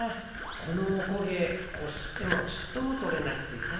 このおこげこすってもちっとも取れなくてさ。